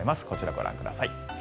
こちら、ご覧ください。